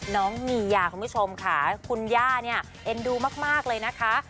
น้องมียาคุณผู้ชมค่ะคุณย่าเนี่ยเอ็นดูมากเลยนะคะ